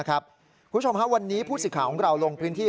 คุณชมฮะวันนี้พูดสิทธิ์ข้าของเราร่งพื้นที่